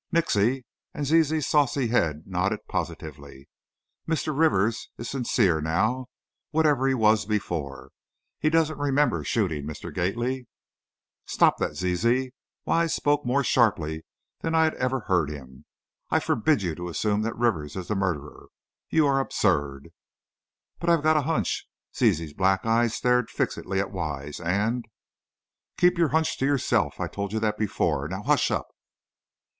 "Nixy!" and Zizi's saucy head nodded positively; "Mr. Rivers is sincere now, whatever he was before. He doesn't remember shooting Mr. Gately " "Stop that, Zizi!" Wise spoke more sharply than I had ever heard him. "I forbid you to assume that Rivers is the murderer, you are absurd!" "But I've got a hunch " Zizi's black eyes stared fixedly at Wise, "and " "Keep your hunch to yourself! I told you that before! Now, hush up."